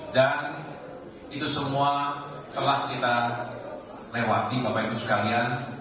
dan itu semua telah kita lewati bapak ibu sekalian